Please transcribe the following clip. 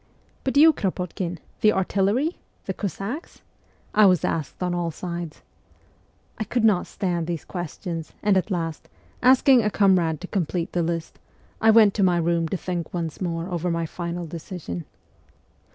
'But you, Kropotkin? The artillery? The Cossacks ?' I was asked on all sides. I could not stand these questions, and at last, asking a comrade to complete the list, I went to my room to think once more over my final decision.